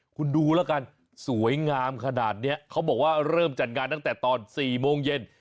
คุณดูแล้วกันสวยงามขนาดนี้เขาบอกว่าเริ่มจัดงานตั้งแต่ตอน๔โมงเย็น